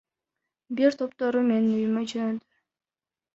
Бир топтору менин үйүмө жөнөдү.